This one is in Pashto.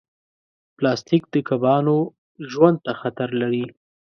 پلاستيک د کبانو ژوند ته خطر لري.